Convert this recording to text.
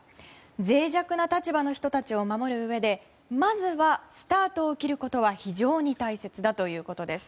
脆弱な立場の人たちを守るうえでまずはスタートを切ることは非常に大切だということです。